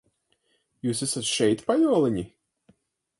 Jūs esat šeit, pajoliņi?